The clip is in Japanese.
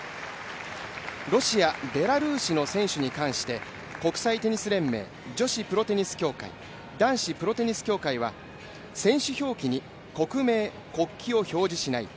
ロシア・ベラルーシの選手に関して国際テニス連盟、女子プロテニス協会、男子プロテニス協会は選手表記に国名、国旗を表示しない